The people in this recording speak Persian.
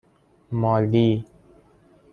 مالی